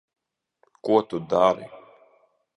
Ko tu dari?